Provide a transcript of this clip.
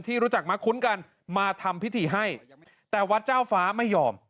รู้จักมาคุ้นกันมาทำพิธีให้แต่วัดเจ้าฟ้าไม่ยอม